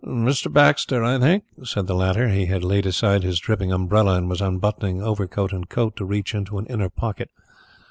"Mr. Baxter, I think?" said the latter. He had laid aside his dripping umbrella and was unbuttoning overcoat and coat to reach an inner pocket.